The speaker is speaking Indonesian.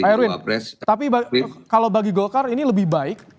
pak erwin tapi kalau bagi golkar ini lebih baik